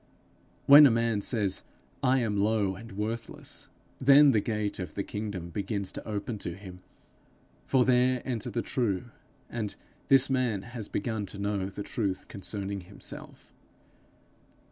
When a man says, I am low and worthless, then the gate of the kingdom begins to open to him, for there enter the true, and this man has begun to know the truth concerning himself.